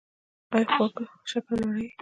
ایا خواږه شکر لوړوي؟